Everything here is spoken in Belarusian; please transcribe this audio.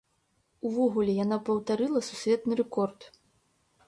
Увогуле, яна паўтарыла сусветны рэкорд.